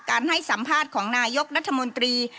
ให้สัมภาษณ์ของนายกรัฐมนตรี